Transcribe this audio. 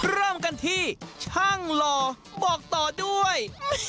เริ่มกันที่ช่างหล่อบอกต่อด้วย